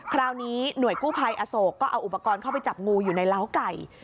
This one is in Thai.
คราวนี้หน่วยกู้ภัยอโศกก็เอาอุปกรณ์เข้าไปจับงูอยู่ในร้าวไก่